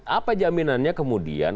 apa jaminannya kemudian